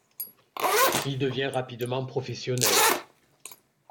Il devient rapidement professionnel.